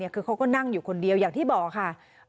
คือเขาก็นั่งอยู่คนเดียวอย่างที่บอกค่ะ